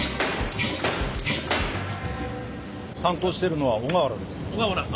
担当しているのは小川原です。